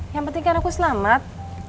yang penting kan aku selamat